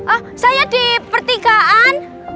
oh saya di pertigaan